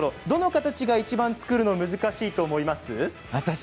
どの形が、いちばん作るの難しいと思います？